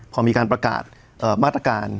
พอมีการประกาศมาตรการ